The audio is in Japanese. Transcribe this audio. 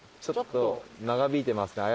ちょっと長引いてます。